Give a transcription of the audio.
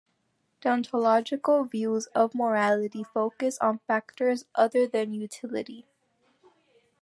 Deontological views of morality focus on factors other than utility.